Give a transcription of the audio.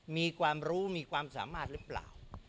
มีความรู้มีความสามารถหรือเปล่า